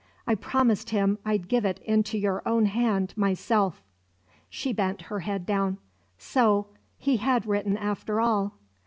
I promised him I'd give it into your own hand myself." She bent her head down. So he had written after all.